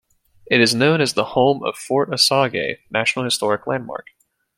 It is known as the home of Fort Osage National Historic Landmark.